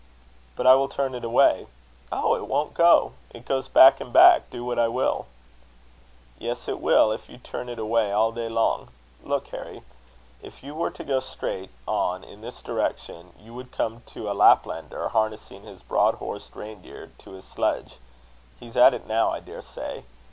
"But I will turn it away. Oh! it won't go. It goes back and back, do what I will." "Yes, it will, if you turn it away all day long. Look, Harry, if you were to go straight on in this direction, you would come to a Laplander, harnessing his broad horned reindeer to his sledge. He's at it now, I daresay.